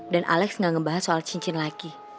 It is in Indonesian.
dan alex gak ngebahas soal cincin lagi